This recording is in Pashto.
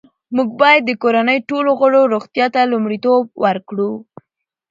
موږ باید د کورنۍ ټولو غړو روغتیا ته لومړیتوب ورکړو